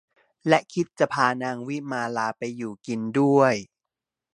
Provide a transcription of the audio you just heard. และคิดจะพานางวิมาลาไปอยู่กินด้วย